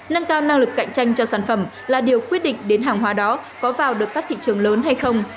nâng cao năng lực cạnh tranh cho sản phẩm là điều quyết định đến hàng hóa đó có vào được các thị trường lớn hay không